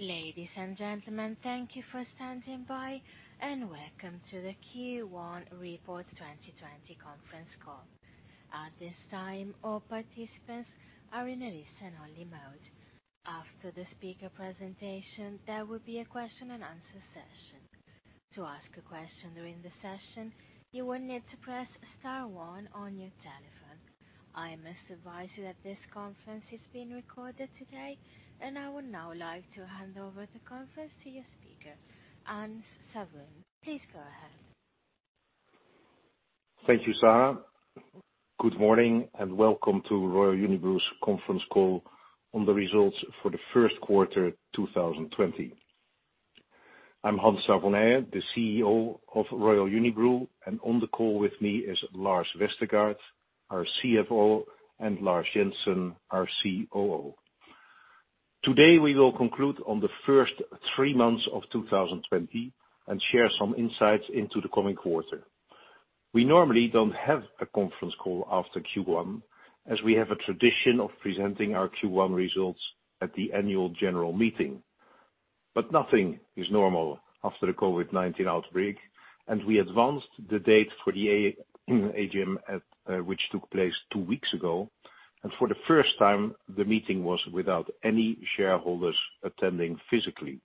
Ladies and gentlemen, thank you for standing by, and welcome to the Q1 Report 2020 conference call. At this time, all participants are in a listen-only mode. After the speaker presentation, there will be a question-and-answer session. To ask a question during the session, you will need to press star one on your telephone. I must advise you that this conference is being recorded today, and I would now like to hand over the conference to your speaker, Hans Savonije. Please go ahead. Thank you, Sarah. Good morning, and welcome to Royal Unibrew's conference call on the results for the first quarter 2020. I'm Hans Savonije, the CEO of Royal Unibrew, and on the call with me is Lars Vestergaard, our CFO, and Lars Jensen, our COO. Today, we will conclude on the first three months of 2020 and share some insights into the coming quarter. We normally don't have a conference call after Q1, as we have a tradition of presenting our Q1 results at the annual general meeting, but nothing is normal after the COVID-19 outbreak, and we advanced the date for the AGM, which took place two weeks ago, and for the first time, the meeting was without any shareholders attending physically.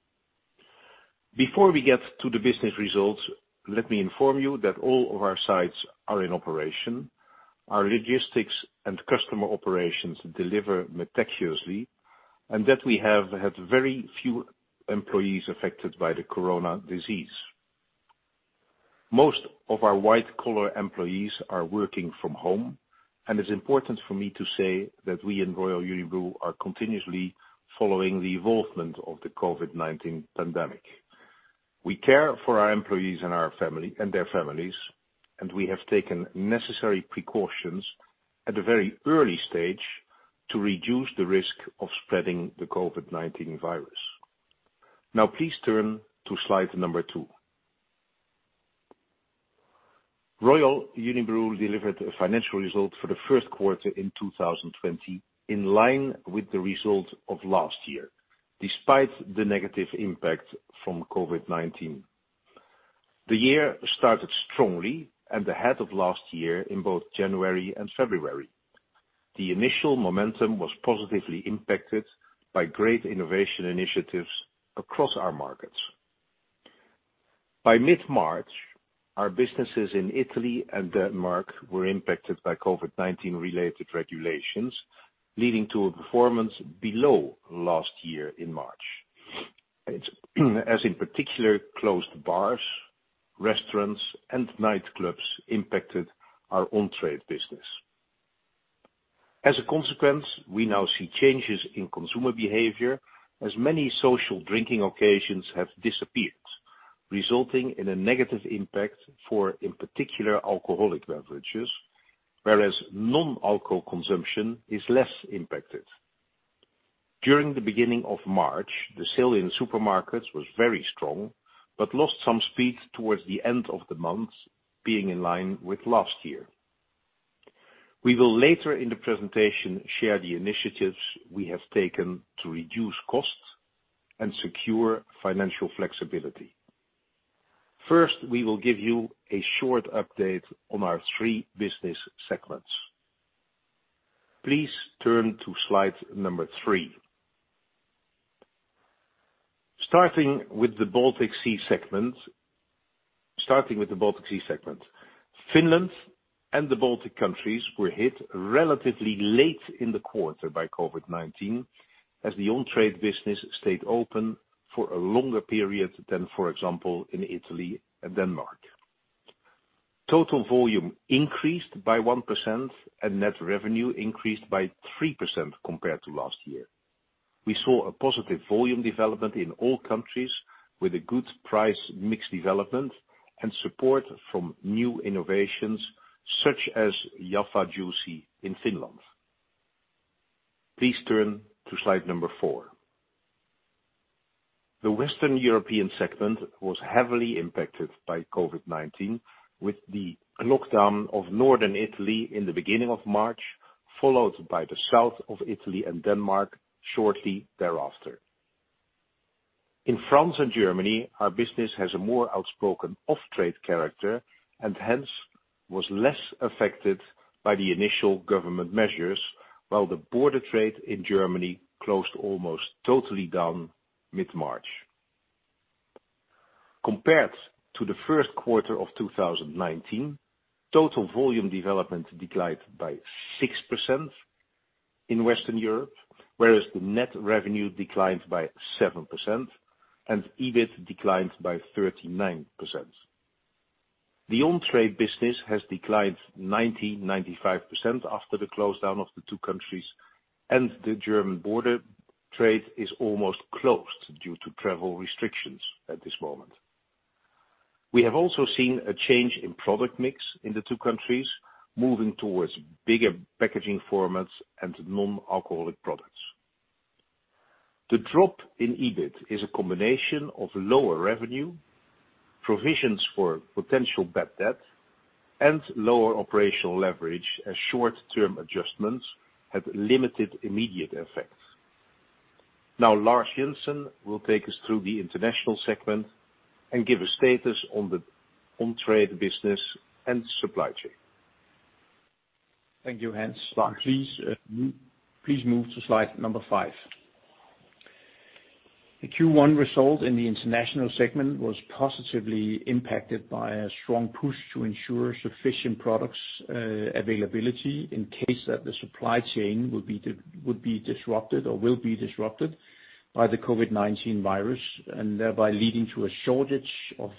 Before we get to the business results, let me inform you that all of our sites are in operation, our logistics and customer operations deliver meticulously, and that we have had very few employees affected by the corona disease. Most of our white-collar employees are working from home, and it's important for me to say that we in Royal Unibrew are continuously following the evolvement of the COVID-19 pandemic. We care for our employees and their families, and we have taken necessary precautions at a very early stage to reduce the risk of spreading the COVID-19 virus. Now, please turn to slide number two. Royal Unibrew delivered financial results for the first quarter in 2020 in line with the results of last year, despite the negative impact from COVID-19. The year started strongly and ahead of last year in both January and February. The initial momentum was positively impacted by great innovation initiatives across our markets. By mid-March, our businesses in Italy and Denmark were impacted by COVID-19-related regulations, leading to a performance below last year in March, as in particular, closed bars, restaurants, and nightclubs impacted our on-trade business. As a consequence, we now see changes in consumer behavior, as many social drinking occasions have disappeared, resulting in a negative impact for, in particular, alcoholic beverages, whereas non-alcohol consumption is less impacted. During the beginning of March, the sale in supermarkets was very strong but lost some speed towards the end of the month, being in line with last year. We will later in the presentation share the initiatives we have taken to reduce costs and secure financial flexibility. First, we will give you a short update on our three business segments. Please turn to slide number three. Starting with the Baltic Sea segment, Finland and the Baltic countries were hit relatively late in the quarter by COVID-19, as the on-trade business stayed open for a longer period than, for example, in Italy and Denmark. Total volume increased by 1%, and net revenue increased by 3% compared to last year. We saw a positive volume development in all countries, with a good price mix development and support from new innovations such as Jaffa Juicy in Finland. Please turn to slide number four. The Western European segment was heavily impacted by COVID-19, with the lockdown of northern Italy in the beginning of March, followed by the south of Italy and Denmark shortly thereafter. In France and Germany, our business has a more outspoken off-trade character and hence was less affected by the initial government measures, while the border trade in Germany closed almost totally down mid-March. Compared to the first quarter of 2019, total volume development declined by 6% in Western Europe, whereas the net revenue declined by 7%, and EBIT declined by 39%. The on-trade business has declined 90%-95% after the close down of the two countries, and the German border trade is almost closed due to travel restrictions at this moment. We have also seen a change in product mix in the two countries, moving towards bigger packaging formats and non-alcoholic products. The drop in EBIT is a combination of lower revenue, provisions for potential bad debt, and lower operational leverage as short-term adjustments had limited immediate effects. Now, Lars Jensen will take us through the international segment and give a status on the on-trade business and supply chain. Thank you, Hans. Please move to slide number five. The Q1 result in the international segment was positively impacted by a strong push to ensure sufficient products' availability in case that the supply chain would be disrupted or will be disrupted by the COVID-19 virus, and thereby leading to a shortage of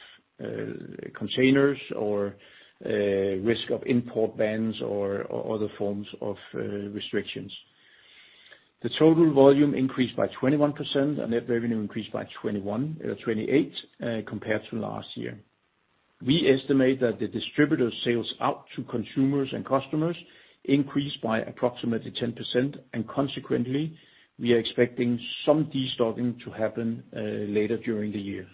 containers or risk of import bans or other forms of restrictions. The total volume increased by 21%, and net revenue increased by 28% compared to last year. We estimate that the distributor sales out to consumers and customers increased by approximately 10%, and consequently, we are expecting some destocking to happen later during the year.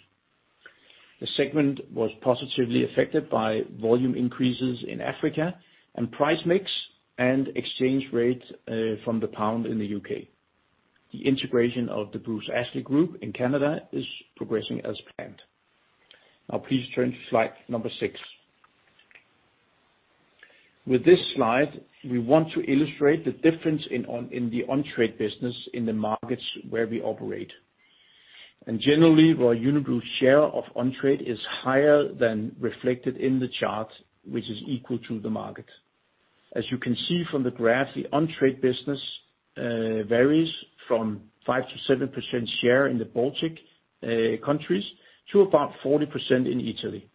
The segment was positively affected by volume increases in Africa and price mix and exchange rate from the pound in the U.K. The integration of the Bruce Ashley Group in Canada is progressing as planned. Now, please turn to slide number six. With this slide, we want to illustrate the difference in the on-trade business in the markets where we operate. Generally, Royal Unibrew's share of on-trade is higher than reflected in the chart, which is equal to the market. As you can see from the graph, the on-trade business varies from 5%-7% share in the Baltic countries to about 40% in Italy.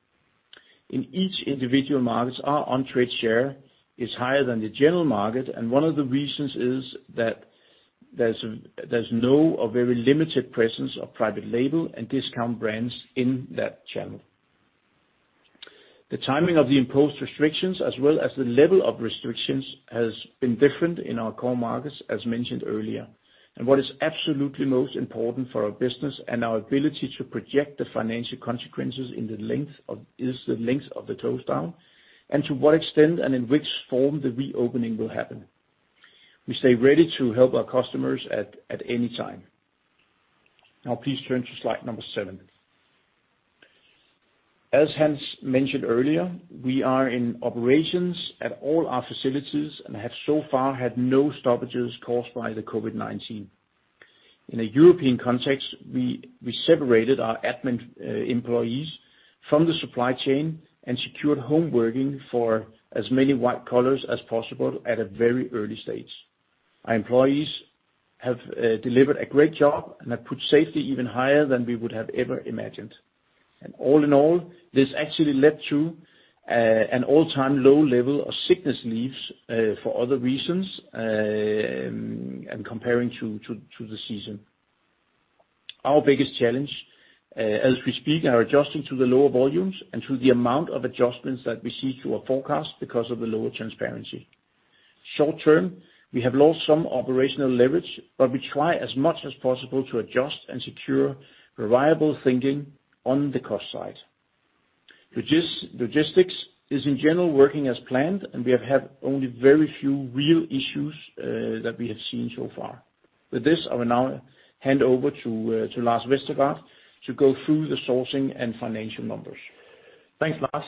In each individual market, our on-trade share is higher than the general market, and one of the reasons is that there is no or very limited presence of private label and discount brands in that channel. The timing of the imposed restrictions, as well as the level of restrictions, has been different in our core markets, as mentioned earlier. What is absolutely most important for our business and our ability to project the financial consequences is the length of the close down, and to what extent and in which form the reopening will happen. We stay ready to help our customers at any time. Please turn to slide number seven. As Hans mentioned earlier, we are in operations at all our facilities and have so far had no stoppages caused by the COVID-19. In a European context, we separated our admin employees from the supply chain and secured homeworking for as many white-collars as possible at a very early stage. Our employees have delivered a great job and have put safety even higher than we would have ever imagined. All in all, this actually led to an all-time low level of sickness leaves for other reasons and comparing to the season. Our biggest challenge as we speak are adjusting to the lower volumes and to the amount of adjustments that we see to our forecast because of the lower transparency. Short term, we have lost some operational leverage, but we try as much as possible to adjust and secure reliable thinking on the cost side. Logistics is, in general, working as planned, and we have had only very few real issues that we have seen so far. With this, I will now hand over to Lars Vestergaard to go through the sourcing and financial numbers. Thanks, Lars.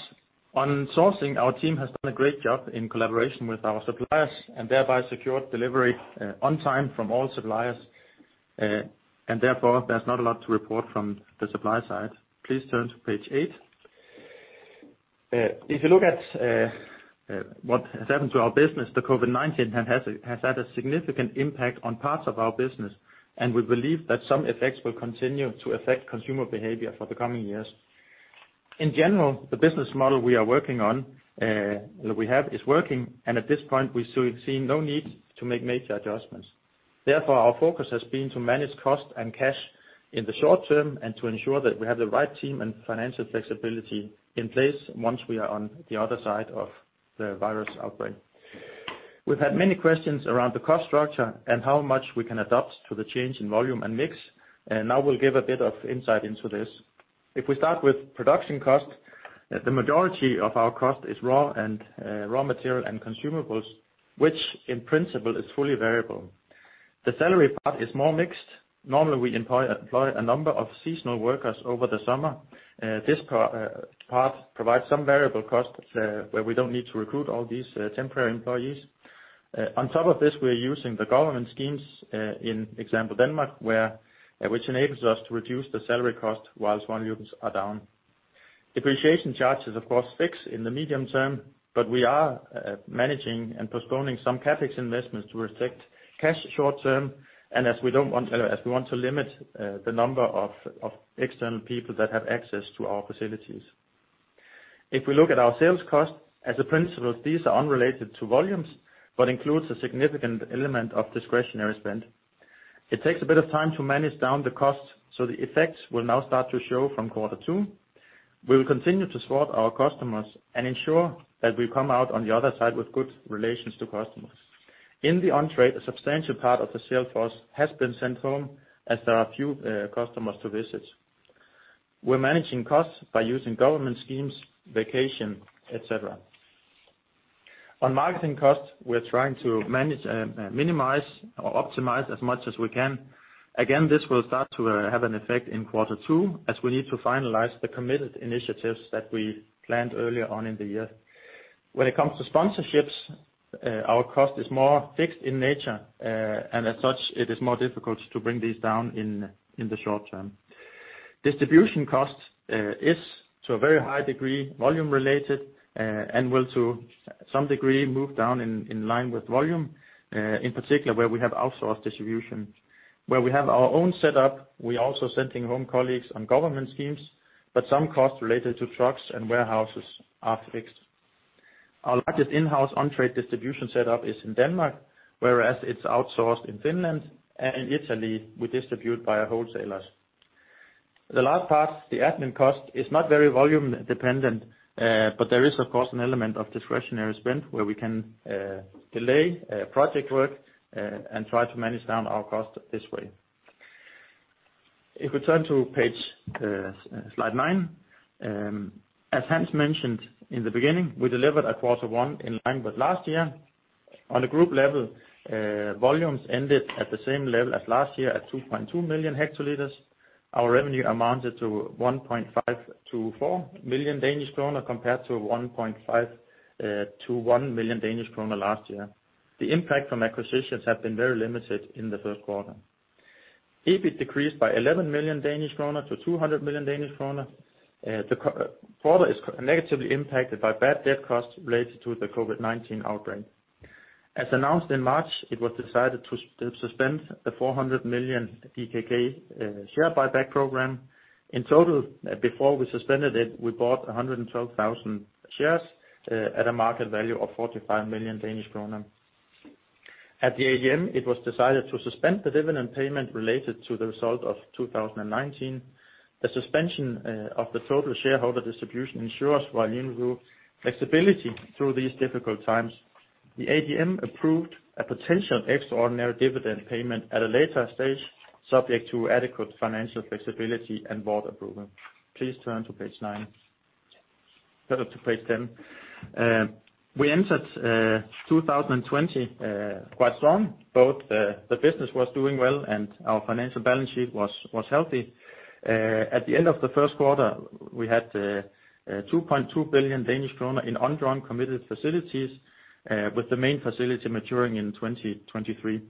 On sourcing, our team has done a great job in collaboration with our suppliers and thereby secured delivery on time from all suppliers, and therefore, there's not a lot to report from the supply side. Please turn to page eight. If you look at what has happened to our business, the COVID-19 has had a significant impact on parts of our business, and we believe that some effects will continue to affect consumer behavior for the coming years. In general, the business model we are working on, we have is working, and at this point, we see no need to make major adjustments. Therefore, our focus has been to manage cost and cash in the short term and to ensure that we have the right team and financial flexibility in place once we are on the other side of the virus outbreak. We've had many questions around the cost structure and how much we can adapt to the change in volume and mix, and now we'll give a bit of insight into this. If we start with production cost, the majority of our cost is raw material and consumables, which in principle is fully variable. The salary part is more mixed. Normally, we employ a number of seasonal workers over the summer. This part provides some variable cost where we do not need to recruit all these temporary employees. On top of this, we are using the government schemes in, for example, Denmark, which enables us to reduce the salary cost while one units are down. Depreciation charges are, of course, fixed in the medium term, but we are managing and postponing some CapEx investments to protect cash short term, and as we do not want to limit the number of external people that have access to our facilities. If we look at our sales cost, as a principle, these are unrelated to volumes but include a significant element of discretionary spend. It takes a bit of time to manage down the cost, so the effects will now start to show from quarter two. We will continue to support our customers and ensure that we come out on the other side with good relations to customers. In the on-trade, a substantial part of the sales force has been sent home as there are few customers to visit. We're managing costs by using government schemes, vacation, etc. On marketing cost, we're trying to minimize or optimize as much as we can. Again, this will start to have an effect in quarter two as we need to finalize the committed initiatives that we planned earlier on in the year. When it comes to sponsorships, our cost is more fixed in nature, and as such, it is more difficult to bring these down in the short term. Distribution cost is, to a very high degree, volume-related and will, to some degree, move down in line with volume, in particular where we have outsourced distribution. Where we have our own setup, we are also sending home colleagues on government schemes, but some costs related to trucks and warehouses are fixed. Our largest in-house on-trade distribution setup is in Denmark, whereas it is outsourced in Finland, and in Italy, we distribute via wholesalers. The last part, the admin cost, is not very volume-dependent, but there is, of course, an element of discretionary spend where we can delay project work and try to manage down our cost this way. If we turn to page slide nine, as Hans mentioned in the beginning, we delivered at quarter one in line with last year. On a group level, volumes ended at the same level as last year at 2.2 million HLT. Our revenue amounted to 1.5 million-1.4 million Danish kroner compared to 1.5 million-1.1 million Danish kroner last year. The impact from acquisitions has been very limited in the first quarter. EBIT decreased by 11 million-200 million Danish kroner. The quarter is negatively impacted by bad debt costs related to the COVID-19 outbreak. As announced in March, it was decided to suspend the 400 million DKK share buyback program. In total, before we suspended it, we bought 112,000 shares at a market value of 45 million Danish kroner. At the AGM, it was decided to suspend the dividend payment related to the result of 2019. The suspension of the total shareholder distribution ensures Royal Unibrew flexibility through these difficult times. The AGM approved a potential extraordinary dividend payment at a later stage, subject to adequate financial flexibility and board approval. Please turn to page nine. We entered 2020 quite strong. Both the business was doing well, and our financial balance sheet was healthy. At the end of the first quarter, we had 2.2 billion Danish kroner in undrawn committed facilities, with the main facility maturing in 2023.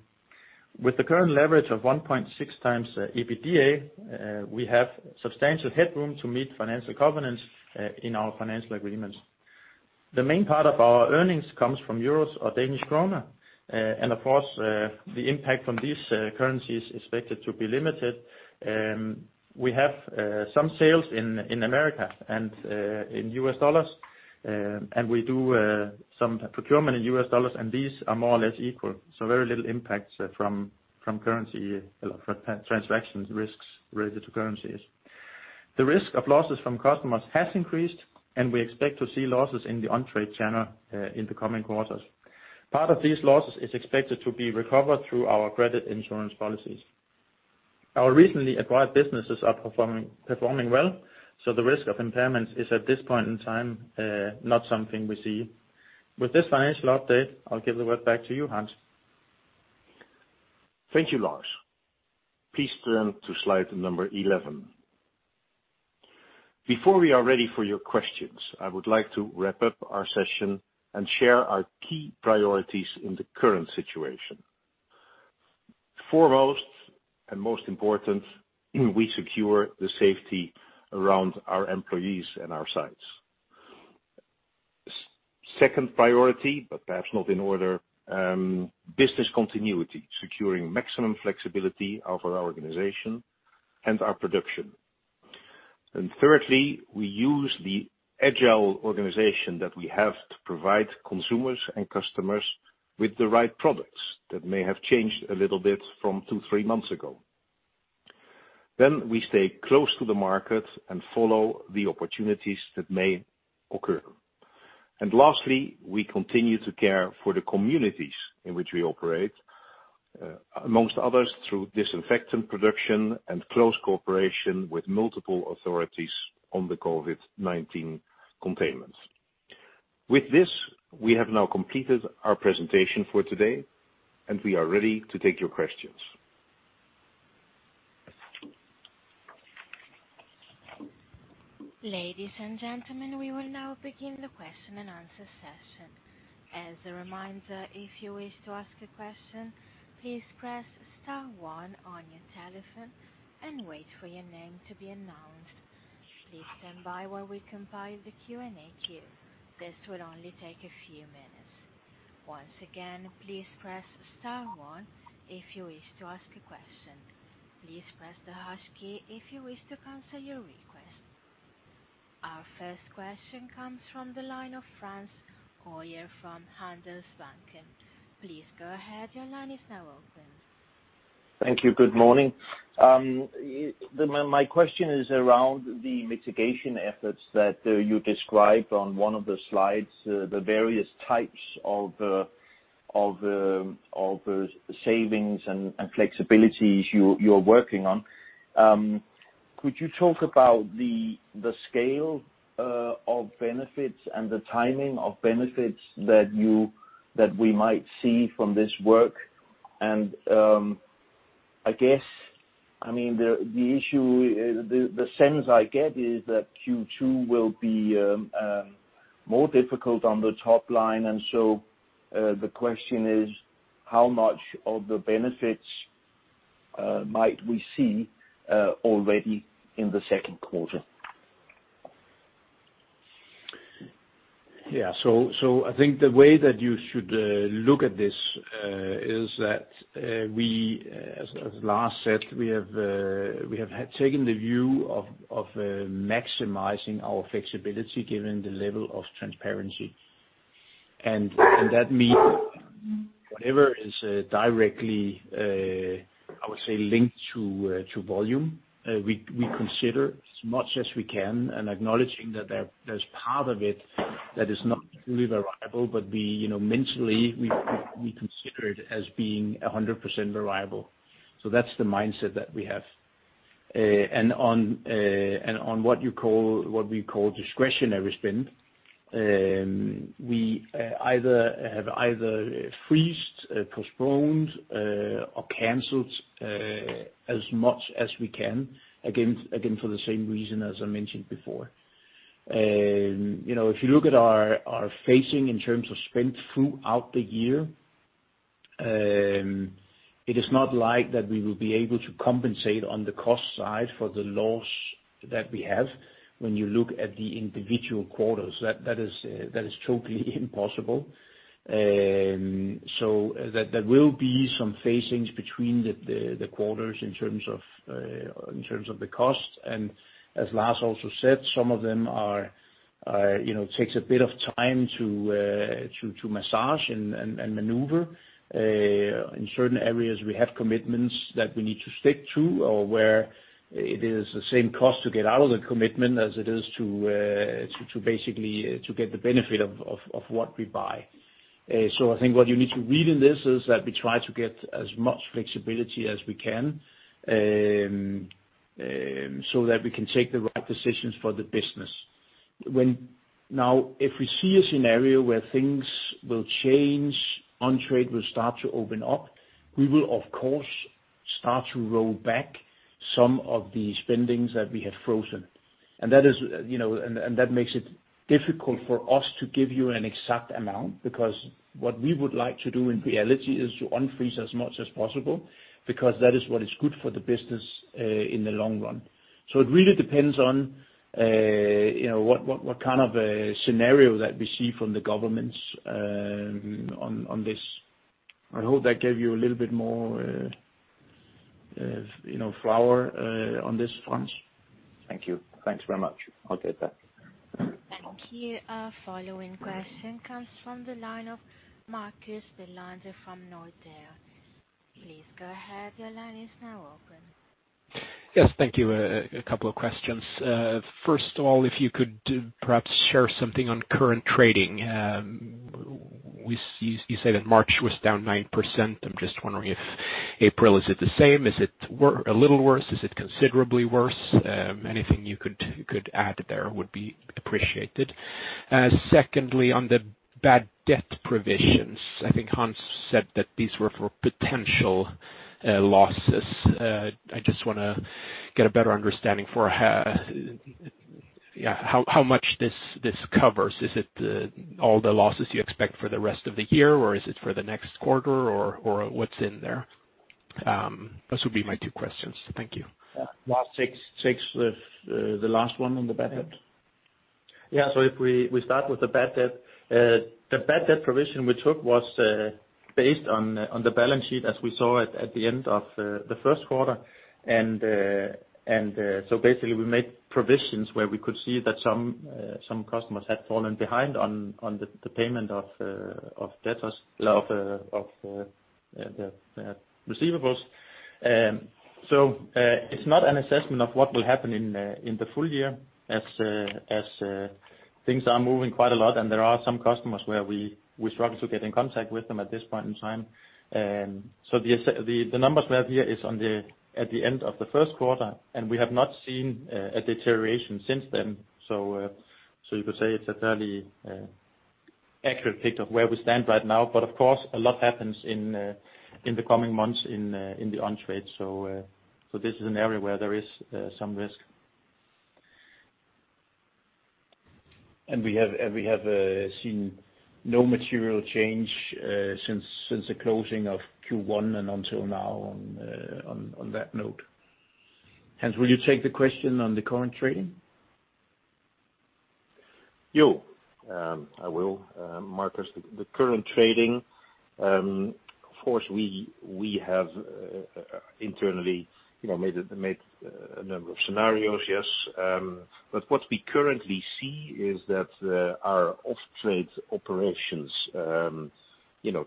With the current leverage of 1.6 times EBITDA, we have substantial headroom to meet financial covenants in our financial agreements. The main part of our earnings comes from euros or Danish kroner, and of course, the impact from these currencies is expected to be limited. We have some sales in America and in U.S. dollars, and we do some procurement in U.S. dollars, and these are more or less equal, so very little impacts from currency transaction risks related to currencies. The risk of losses from customers has increased, and we expect to see losses in the on-trade channel in the coming quarters. Part of these losses is expected to be recovered through our credit insurance policies. Our recently acquired businesses are performing well, so the risk of impairments is, at this point in time, not something we see. With this financial update, I'll give the word back to you, Hans. Thank you, Lars. Please turn to slide number 11. Before we are ready for your questions, I would like to wrap up our session and share our key priorities in the current situation. Foremost and most important, we secure the safety around our employees and our sites. Second priority, but perhaps not in order, business continuity, securing maximum flexibility of our organization and our production. Thirdly, we use the agile organization that we have to provide consumers and customers with the right products that may have changed a little bit from two, three months ago. We stay close to the market and follow the opportunities that may occur. Lastly, we continue to care for the communities in which we operate, amongst others, through disinfectant production and close cooperation with multiple authorities on the COVID-19 containment. With this, we have now completed our presentation for today, and we are ready to take your questions. Ladies and gentlemen, we will now begin the question and answer session. As a reminder, if you wish to ask a question, please press star one on your telephone and wait for your name to be announced. Please stand by while we compile the Q&A queue. This will only take a few minutes. Once again, please press star one if you wish to ask a question. Please press the hash key if you wish to cancel your request. Our first question comes from the line of Frans Hoyer from Handelsbanken. Please go ahead. Your line is now open. Thank you. Good morning. My question is around the mitigation efforts that you described on one of the slides, the various types of savings and flexibilities you're working on. Could you talk about the scale of benefits and the timing of benefits that we might see from this work? I guess, I mean, the issue, the sense I get is that Q2 will be more difficult on the top line, and the question is, how much of the benefits might we see already in the second quarter? Yeah. I think the way that you should look at this is that, as Lars said, we have taken the view of maximizing our flexibility given the level of transparency. That means whatever is directly, I would say, linked to volume, we consider as much as we can, and acknowledging that there is part of it that is not fully variable, but mentally, we consider it as being 100% variable. That is the mindset that we have. On what we call discretionary spend, we have either freezed, postponed, or canceled as much as we can again for the same reason as I mentioned before. If you look at our facing in terms of spend throughout the year, it is not like we will be able to compensate on the cost side for the loss that we have when you look at the individual quarters. That is totally impossible. There will be some phasings between the quarters in terms of the cost. As Lars also said, some of them take a bit of time to massage and maneuver. In certain areas, we have commitments that we need to stick to or where it is the same cost to get out of the commitment as it is to basically get the benefit of what we buy. I think what you need to read in this is that we try to get as much flexibility as we can so that we can take the right decisions for the business. Now, if we see a scenario where things will change, on-trade will start to open up, we will, of course, start to roll back some of the spendings that we have frozen. That makes it difficult for us to give you an exact amount because what we would like to do in reality is to unfreeze as much as possible because that is what is good for the business in the long run. It really depends on what kind of scenario that we see from the governments on this. I hope that gave you a little bit more flower on this front. Thank you. Thanks very much. I'll take that. Thank you. Our following question comes from the line of Marcus Bellander from Nordea. Please go ahead. Your line is now open. Yes. Thank you. A couple of questions. First of all, if you could perhaps share something on current trading. You said in March was down 9%. I'm just wondering if April, is it the same? Is it a little worse? Is it considerably worse? Anything you could add there would be appreciated. Secondly, on the bad debt provisions, I think Hans said that these were for potential losses. I just want to get a better understanding for how much this covers. Is it all the losses you expect for the rest of the year, or is it for the next quarter, or what's in there? Those would be my two questions. Thank you. Last, takes the last one on the bad debt? Yeah. If we start with the bad debt, the bad debt provision we took was based on the balance sheet as we saw it at the end of the first quarter. Basically, we made provisions where we could see that some customers had fallen behind on the payment of debtors of the receivables. It is not an assessment of what will happen in the full year as things are moving quite a lot, and there are some customers where we struggle to get in contact with them at this point in time. The numbers we have here are at the end of the first quarter, and we have not seen a deterioration since then. You could say it is a fairly accurate picture of where we stand right now. Of course, a lot happens in the coming months in the on-trade. This is an area where there is some risk. We have seen no material change since the closing of Q1 and until now on that note. Hans, will you take the question on the current trading? Yo, I will. Marcus, the current trading, of course, we have internally made a number of scenarios, yes. What we currently see is that our off-trade operations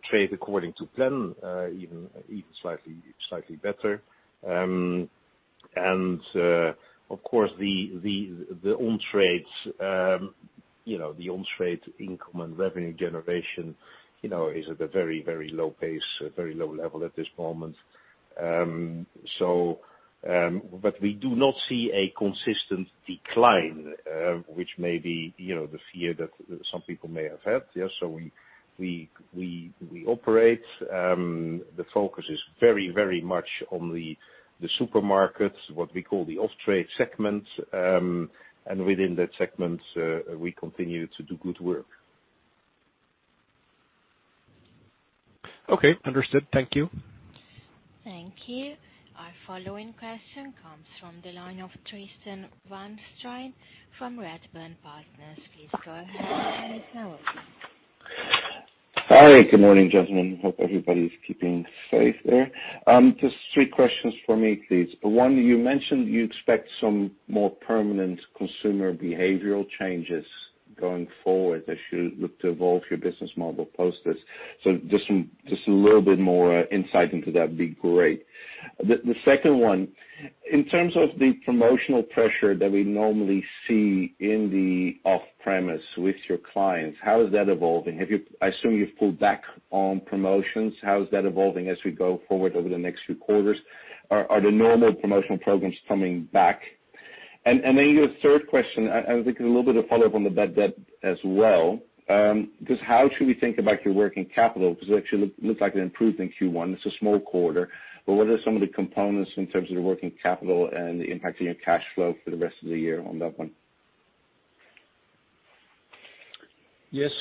trade according to plan, even slightly better. Of course, the on-trade, the on-trade income and revenue generation is at a very, very low pace, very low level at this moment. We do not see a consistent decline, which may be the fear that some people may have had. We operate. The focus is very, very much on the supermarkets, what we call the off-trade segment. Within that segment, we continue to do good work. Okay. Understood. Thank you. Thank you. Our following question comes from the line of Tristan van Strien from Redburn Partners. Please go ahead and answer that one. Hi. Good morning, gentlemen. Hope everybody's keeping faith there. Just three questions for me, please. One, you mentioned you expect some more permanent consumer behavioral changes going forward as you look to evolve your business model post this. Just a little bit more insight into that would be great. The second one, in terms of the promotional pressure that we normally see in the off-premise with your clients, how is that evolving? I assume you've pulled back on promotions. How is that evolving as we go forward over the next few quarters? Are the normal promotional programs coming back? Your third question, and I think it's a little bit of follow-up on the bad debt as well, just how should we think about your working capital? Because it actually looks like an improvement in Q1. It's a small quarter. What are some of the components in terms of the working capital and the impact on your cash flow for the rest of the year on that one? Yes.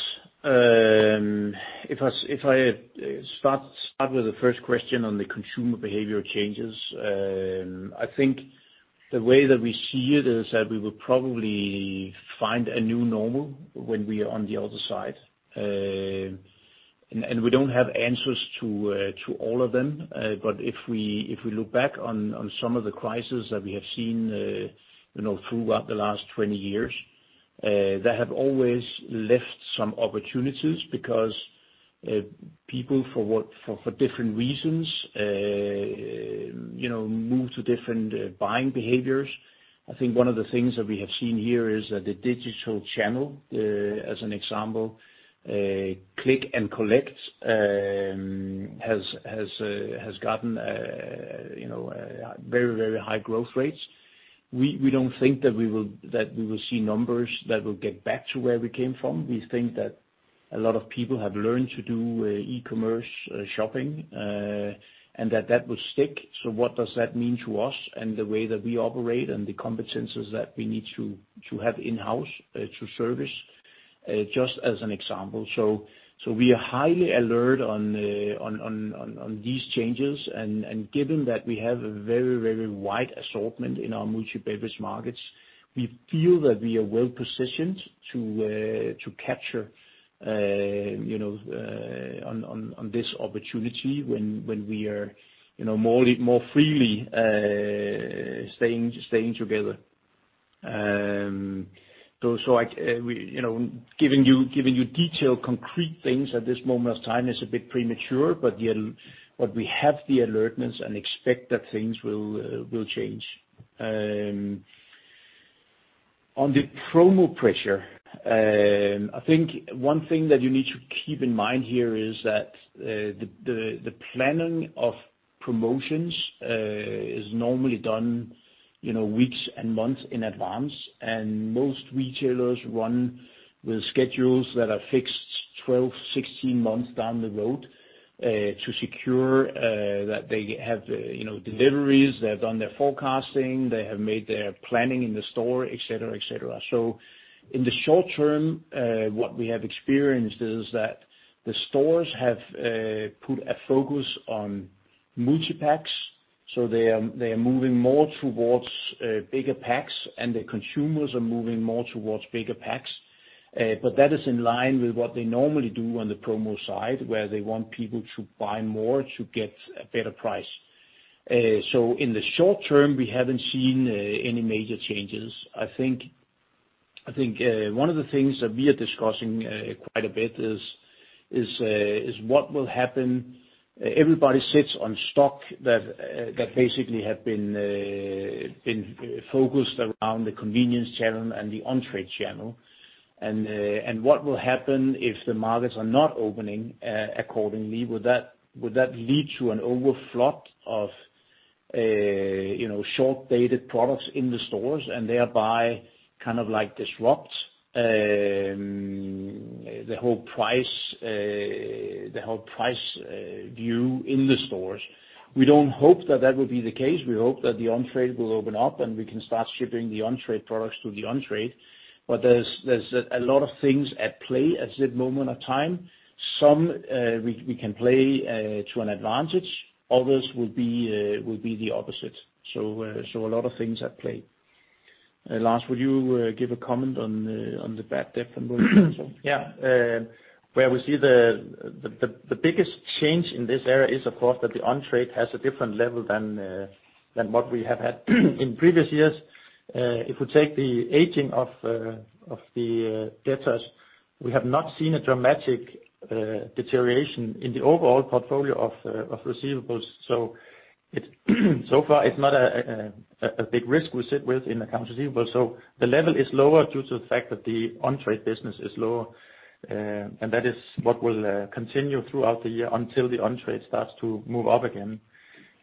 If I start with the first question on the consumer behavior changes, I think the way that we see it is that we will probably find a new normal when we are on the other side. We do not have answers to all of them. If we look back on some of the crises that we have seen throughout the last 20 years, they have always left some opportunities because people, for different reasons, move to different buying behaviors. I think one of the things that we have seen here is that the digital channel, as an example, click and collect, has gotten very, very high growth rates. We do not think that we will see numbers that will get back to where we came from. We think that a lot of people have learned to do e-commerce shopping and that that will stick. What does that mean to us and the way that we operate and the competencies that we need to have in-house to service, just as an example? We are highly alert on these changes. Given that we have a very, very wide assortment in our multi-bevice markets, we feel that we are well positioned to capture on this opportunity when we are more freely staying together. Giving you detailed concrete things at this moment of time is a bit premature, but we have the alertness and expect that things will change. On the promo pressure, I think one thing that you need to keep in mind here is that the planning of promotions is normally done weeks and months in advance. Most retailers run with schedules that are fixed 12, 16 months down the road to secure that they have deliveries, they have done their forecasting, they have made their planning in the store, etc., etc. In the short term, what we have experienced is that the stores have put a focus on multi-packs. They are moving more towards bigger packs, and the consumers are moving more towards bigger packs. That is in line with what they normally do on the promo side, where they want people to buy more to get a better price. In the short term, we haven't seen any major changes. I think one of the things that we are discussing quite a bit is what will happen. Everybody sits on stock that basically had been focused around the convenience channel and the on-trade channel. What will happen if the markets are not opening accordingly? Would that lead to an overflow of short-dated products in the stores and thereby kind of disrupt the whole price view in the stores? We do not hope that that will be the case. We hope that the on-trade will open up and we can start shipping the on-trade products to the on-trade. There is a lot of things at play at this moment of time. Some we can play to an advantage. Others will be the opposite. A lot of things at play. Lars, would you give a comment on the bad debt and what you think? Yeah. We see the biggest change in this area is, of course, that the on-trade has a different level than what we have had in previous years. If we take the aging of the debtors, we have not seen a dramatic deterioration in the overall portfolio of receivables. So far, it's not a big risk we sit with in accounts receivable. The level is lower due to the fact that the on-trade business is lower. That is what will continue throughout the year until the on-trade starts to move up again.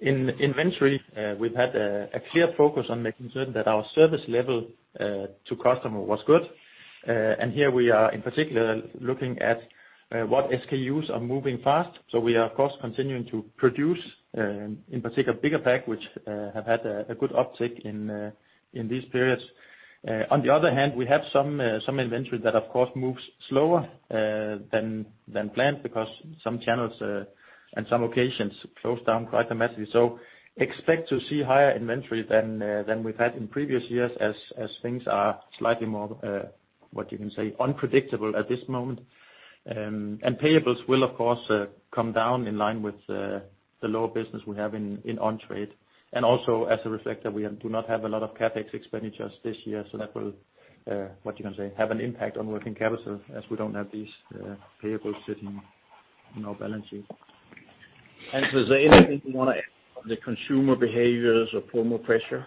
In inventory, we've had a clear focus on making certain that our service level to customer was good. Here we are, in particular, looking at what SKUs are moving fast. We are, of course, continuing to produce, in particular, bigger packs, which have had a good uptick in these periods. On the other hand, we have some inventory that, of course, moves slower than planned because some channels and some occasions close down quite dramatically. You can expect to see higher inventory than we've had in previous years as things are slightly more, what you can say, unpredictable at this moment. Payables will, of course, come down in line with the lower business we have in on-trade. Also, as a reflector, we do not have a lot of CapEx expenditures this year. That will, what you can say, have an impact on working capital as we don't have these payables sitting in our balance sheet. Is there anything you want to add on the consumer behaviors or promo pressure?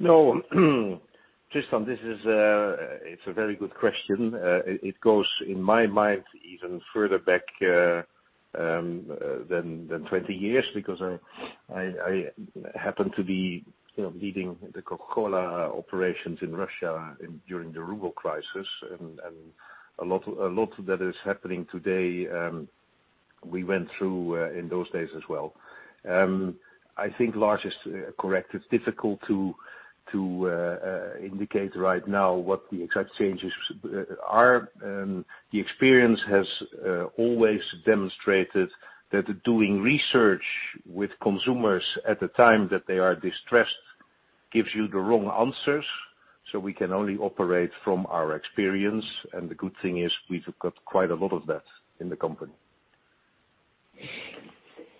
No. Tristan, this is a very good question. It goes, in my mind, even further back than 20 years because I happen to be leading the Coca-Cola operations in Russia during the ruble crisis. A lot of that is happening today. We went through in those days as well. I think Lars is correct, it's difficult to indicate right now what the exact changes are. The experience has always demonstrated that doing research with consumers at a time that they are distressed gives you the wrong answers. We can only operate from our experience. The good thing is we've got quite a lot of that in the company.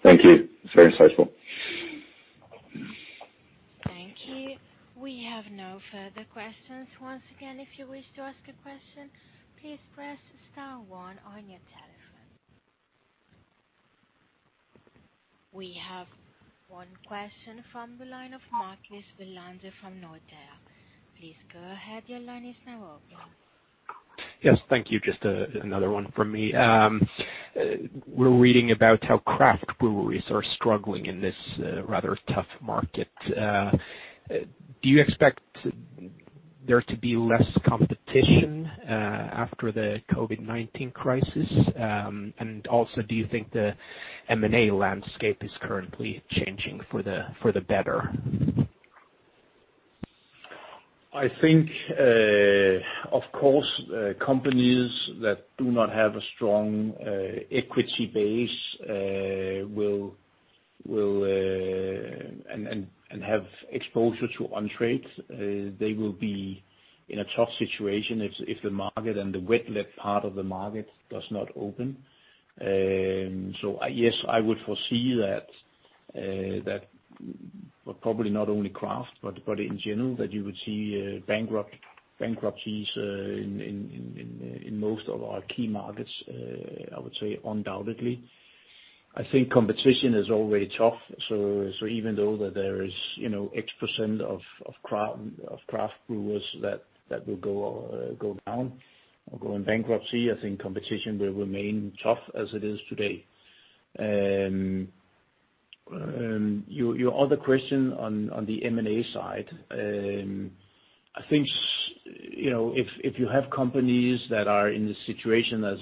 Thank you. It's very insightful. Thank you. We have no further questions. Once again, if you wish to ask a question, please press star one on your telephone. We have one question from the line of Marcus Bellander from Nordea. Please go ahead. Your line is now open. Yes. Thank you. Just another one from me. We're reading about how craft breweries are struggling in this rather tough market. Do you expect there to be less competition after the COVID-19 crisis? Also, do you think the M&A landscape is currently changing for the better? I think, of course, companies that do not have a strong equity base and have exposure to on-trade, they will be in a tough situation if the market and the wet-led part of the market does not open. Yes, I would foresee that, but probably not only craft, but in general, that you would see bankruptcies in most of our key markets, I would say, undoubtedly. I think competition is already tough. Even though there is X% of craft brewers that will go down or go in bankruptcy, I think competition will remain tough as it is today. Your other question on the M&A side, I think if you have companies that are in this situation, as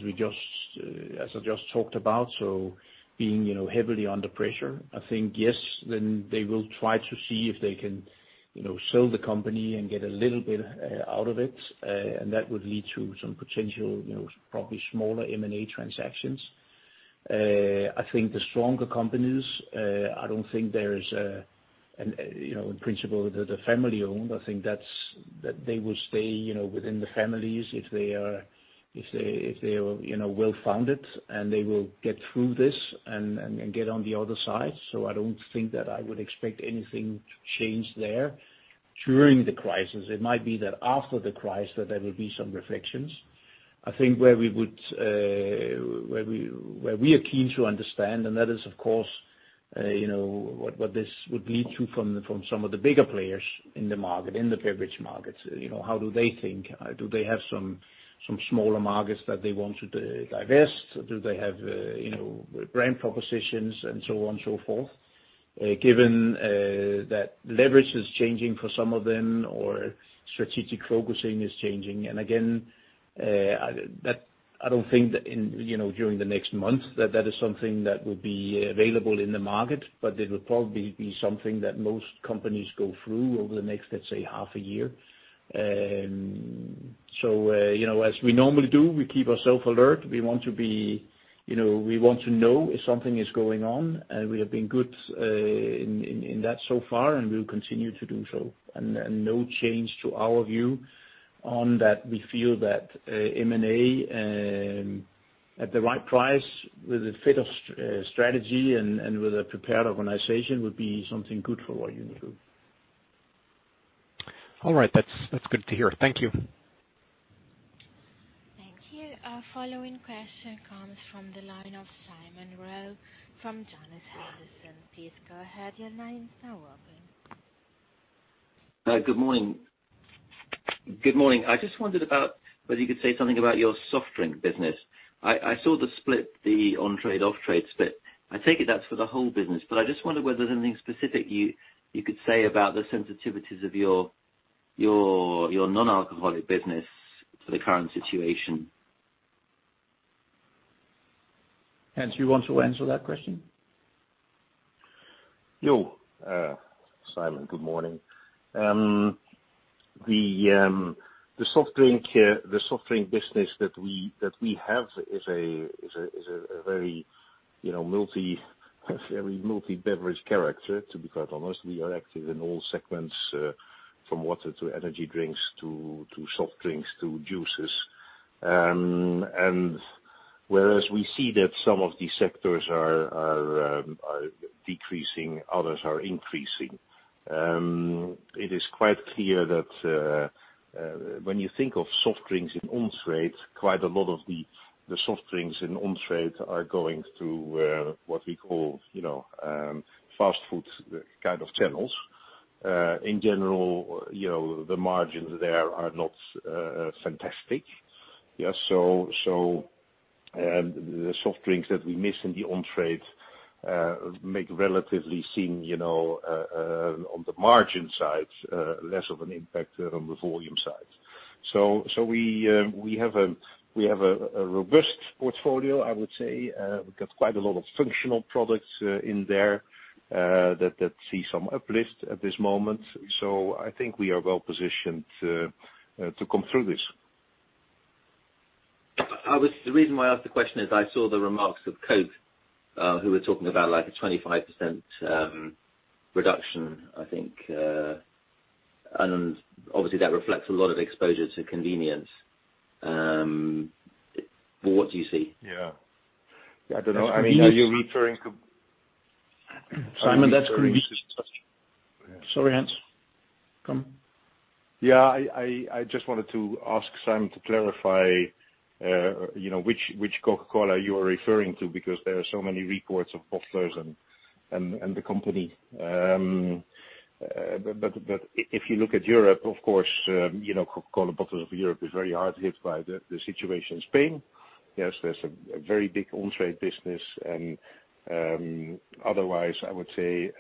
I just talked about, being heavily under pressure, I think, yes, they will try to see if they can sell the company and get a little bit out of it. That would lead to some potential, probably smaller M&A transactions. I think the stronger companies, I don't think there is, in principle, that are family-owned. I think that they will stay within the families if they are well-founded, and they will get through this and get on the other side. I don't think that I would expect anything to change there during the crisis. It might be that after the crisis there will be some reflections. I think where we would, where we are keen to understand, and that is, of course, what this would lead to from some of the bigger players in the market, in the beverage markets, how do they think? Do they have some smaller markets that they want to divest? Do they have brand propositions and so on and so forth? Given that leverage is changing for some of them or strategic focusing is changing. I don't think that during the next month that that is something that would be available in the market, but it would probably be something that most companies go through over the next, let's say, half a year. As we normally do, we keep ourselves alert. We want to be, we want to know if something is going on. We have been good in that so far, and we will continue to do so. No change to our view on that. We feel that M&A at the right price with a fit of strategy and with a prepared organization would be something good for what you do. All right. That's good to hear. Thank you. Thank you. Our following question comes from the line of Simon Royale from Jonandal. Please go ahead. Your line is now open. Good morning. Good morning. I just wondered about whether you could say something about your soft drink business. I saw the split, the on-trade, off-trade split. I take it that's for the whole business. I just wondered whether there's anything specific you could say about the sensitivities of your non-alcoholic business for the current situation. Hans, you want to answer that question? Yo. Simon, good morning. The soft drink business that we have is a very multi-beverage character, to be quite honest. We are active in all segments, from water to energy drinks to soft drinks to juices. Whereas we see that some of these sectors are decreasing, others are increasing, it is quite clear that when you think of soft drinks in on-trade, quite a lot of the soft drinks in on-trade are going through what we call fast food kind of channels. In general, the margins there are not fantastic. The soft drinks that we miss in the on-trade make relatively seen on the margin side less of an impact than on the volume side. We have a robust portfolio, I would say. We've got quite a lot of functional products in there that see some uplift at this moment. I think we are well positioned to come through this. The reason why I asked the question is I saw the remarks of Coke, who were talking about a 25% reduction, I think. Obviously, that reflects a lot of exposure to convenience. What do you see? Yeah. I don't know. I mean, are you referring to? Simon, that's great. Sorry, Hans. Come. Yeah. I just wanted to ask Simon to clarify which Coca-Cola you are referring to because there are so many reports of bottlers and the company. If you look at Europe, of course, Coca-Cola bottlers of Europe is very hard hit by the situation in Spain. Yes, there is a very big on-trade business. Otherwise, I would say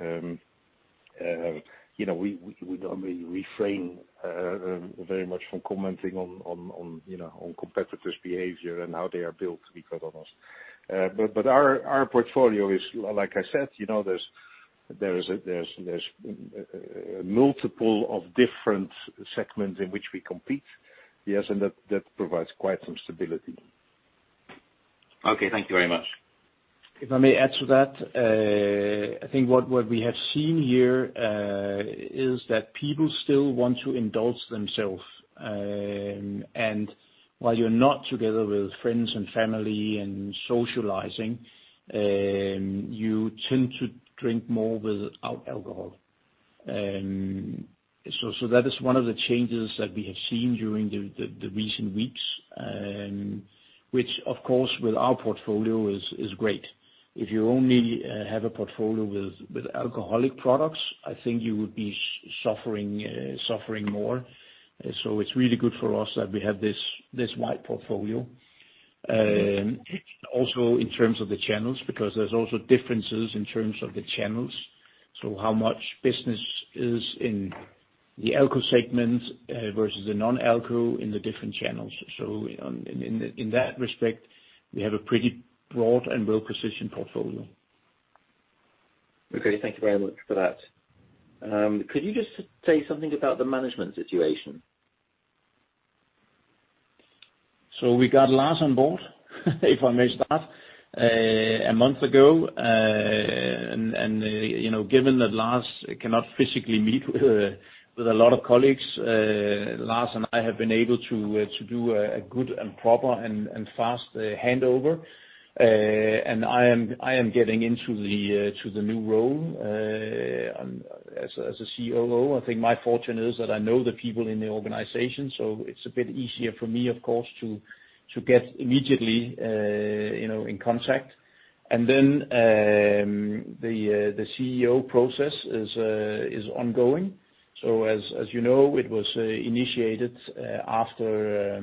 we normally refrain very much from commenting on competitors' behavior and how they are built, to be quite honest. Our portfolio is, like I said, there is a multiple of different segments in which we compete. Yes. That provides quite some stability. Okay. Thank you very much. If I may add to that, I think what we have seen here is that people still want to indulge themselves. While you're not together with friends and family and socializing, you tend to drink more without alcohol. That is one of the changes that we have seen during the recent weeks, which, of course, with our portfolio is great. If you only have a portfolio with alcoholic products, I think you would be suffering more. It is really good for us that we have this wide portfolio. Also, in terms of the channels, because there are also differences in terms of the channels. How much business is in the alcohol segment versus the non-alcohol in the different channels. In that respect, we have a pretty broad and well-positioned portfolio. Okay. Thank you very much for that. Could you just say something about the management situation? We got Lars on board, if I may start, a month ago. Given that Lars cannot physically meet with a lot of colleagues, Lars and I have been able to do a good and proper and fast handover. I am getting into the new role as COO. I think my fortune is that I know the people in the organization. It is a bit easier for me, of course, to get immediately in contact. The CEO process is ongoing. As you know, it was initiated after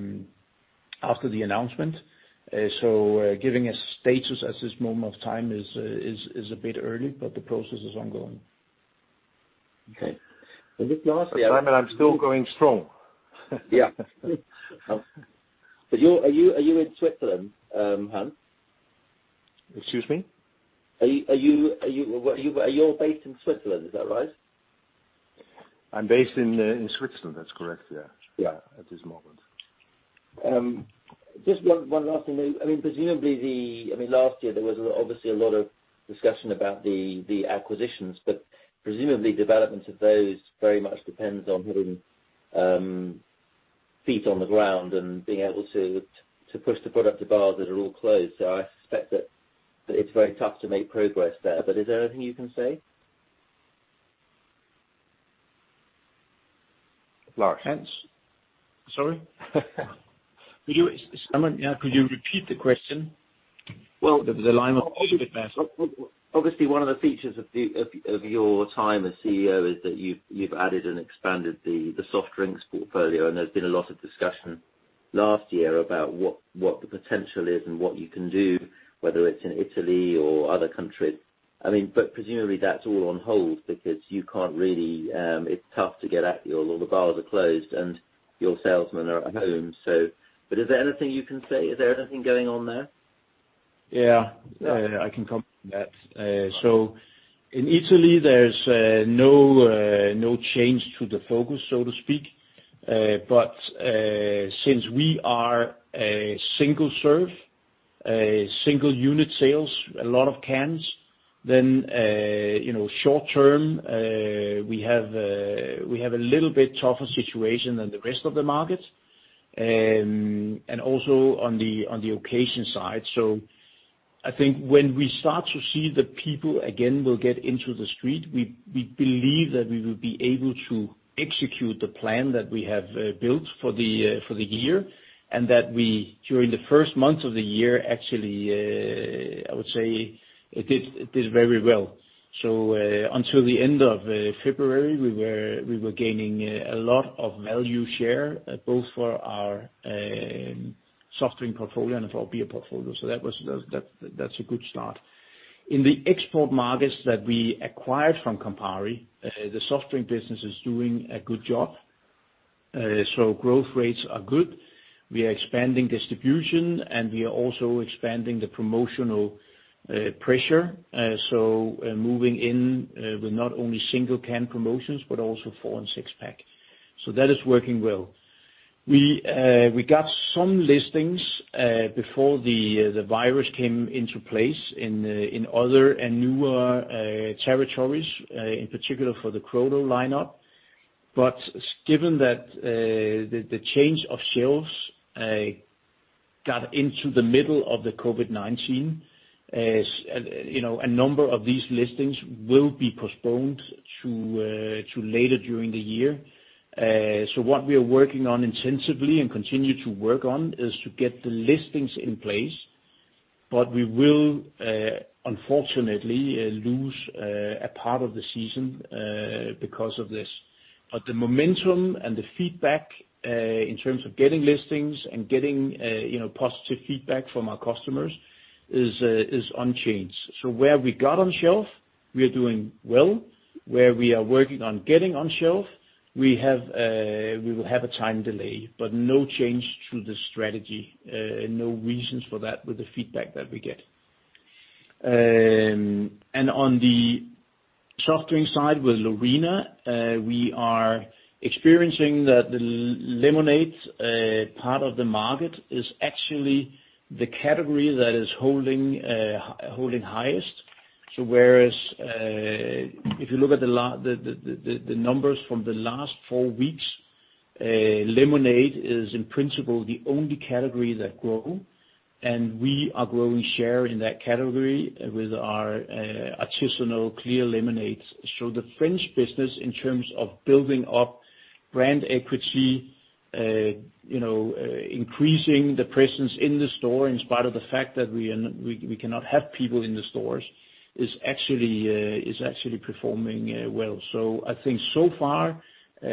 the announcement. Giving a status at this moment of time is a bit early, but the process is ongoing. Okay. With Lars, Simon, I'm still going strong. Yeah. Are you in Switzerland, Hans? Excuse me? Are you based in Switzerland? Is that right? I'm based in Switzerland. That's correct. Yeah. Yeah. At this moment. Just one last thing. I mean, presumably, I mean, last year, there was obviously a lot of discussion about the acquisitions. Presumably, development of those very much depends on hitting feet on the ground and being able to push the product to bars that are all closed. I suspect that it's very tough to make progress there. Is there anything you can say? Lars. Hans? Sorry? Simon, yeah, could you repeat the question? The line was a bit messy. Obviously, one of the features of your time as CEO is that you've added and expanded the soft drinks portfolio. And there's been a lot of discussion last year about what the potential is and what you can do, whether it's in Italy or other countries. I mean, but presumably, that's all on hold because you can't really, it's tough to get at you. All the bars are closed, and your salesmen are at home. Is there anything you can say? Is there anything going on there? Yeah. Yeah. I can comment on that. In Italy, there's no change to the focus, so to speak. Since we are a single serve, single unit sales, a lot of cans, short term, we have a little bit tougher situation than the rest of the market. Also on the occasion side. I think when we start to see the people again will get into the street, we believe that we will be able to execute the plan that we have built for the year and that we, during the first month of the year, actually, I would say, did very well. Until the end of February, we were gaining a lot of value share, both for our soft drink portfolio and for our beer portfolio. That's a good start. In the export markets that we acquired from Campari, the soft drink business is doing a good job. Growth rates are good. We are expanding distribution, and we are also expanding the promotional pressure. Moving in with not only single can promotions, but also four and six pack. That is working well. We got some listings before the virus came into place in other and newer territories, in particular for the Crodo lineup. Given that the change of shelves got into the middle of the COVID-19, a number of these listings will be postponed to later during the year. What we are working on intensively and continue to work on is to get the listings in place. We will, unfortunately, lose a part of the season because of this. The momentum and the feedback in terms of getting listings and getting positive feedback from our customers is unchanged. Where we got on shelf, we are doing well. Where we are working on getting on shelf, we will have a time delay, but no change to the strategy, no reasons for that with the feedback that we get. On the soft drink side with Lorina, we are experiencing that the lemonade part of the market is actually the category that is holding highest. If you look at the numbers from the last four weeks, lemonade is, in principle, the only category that grows. We are growing share in that category with our artisanal clear lemonades. The French business, in terms of building up brand equity, increasing the presence in the store in spite of the fact that we cannot have people in the stores, is actually performing well. I think so far, I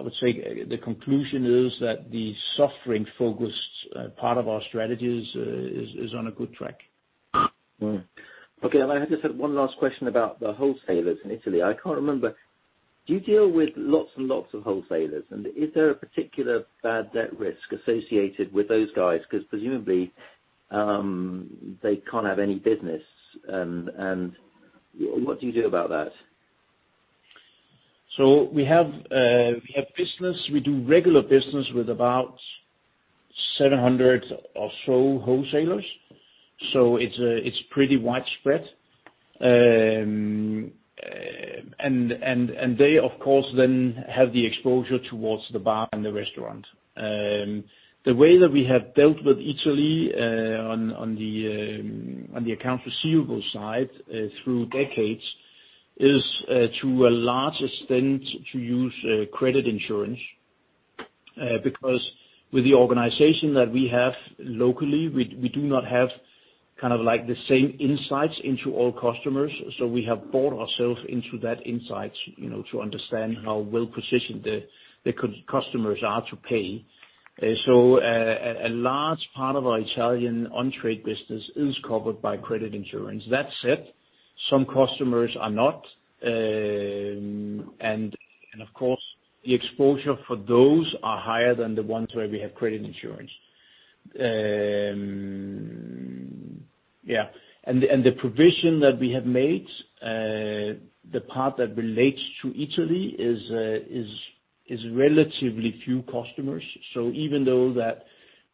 would say the conclusion is that the soft drink-focused part of our strategies is on a good track. Okay. I just had one last question about the wholesalers in Italy. I can't remember. Do you deal with lots and lots of wholesalers? Is there a particular bad debt risk associated with those guys? Presumably, they can't have any business. What do you do about that? We have business. We do regular business with about 700 or so wholesalers. It is pretty widespread. They, of course, then have the exposure towards the bar and the restaurant. The way that we have dealt with Italy on the accounts receivable side through decades is, to a large extent, to use credit insurance. Because with the organization that we have locally, we do not have kind of the same insights into all customers. We have bought ourselves into that insights to understand how well-positioned the customers are to pay. A large part of our Italian on-trade business is covered by credit insurance. That said, some customers are not. Of course, the exposure for those is higher than the ones where we have credit insurance. Yeah. The provision that we have made, the part that relates to Italy, is relatively few customers. Even though that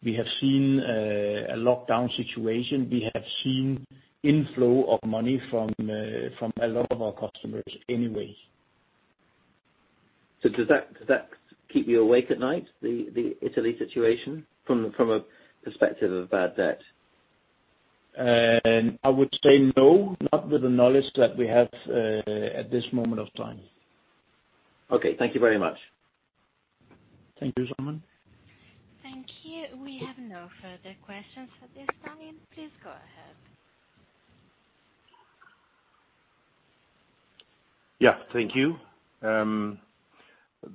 we have seen a lockdown situation, we have seen inflow of money from a lot of our customers anyway. Does that keep you awake at night, the Italy situation, from a perspective of bad debt? I would say no, not with the knowledge that we have at this moment of time. Okay. Thank you very much. Thank you, Simon. Thank you. We have no further questions at this time. Please go ahead. Yeah. Thank you.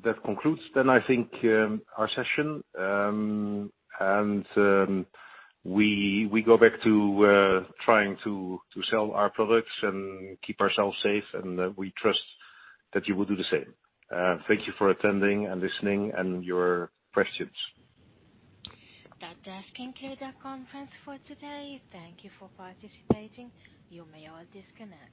That concludes then, I think, our session. We go back to trying to sell our products and keep ourselves safe. We trust that you will do the same. Thank you for attending and listening and your questions. That does conclude our conference for today. Thank you for participating. You may all disconnect.